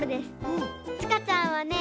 ちかちゃんはね